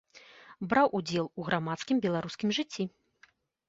Браў удзел у грамадскім беларускім жыцці.